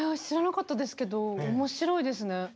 知らなかったですけど面白いですね。